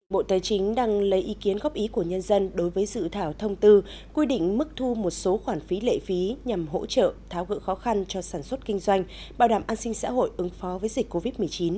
bộ tài chính đang lấy ý kiến góp ý của nhân dân đối với dự thảo thông tư quy định mức thu một số khoản phí lệ phí nhằm hỗ trợ tháo gỡ khó khăn cho sản xuất kinh doanh bảo đảm an sinh xã hội ứng phó với dịch covid một mươi chín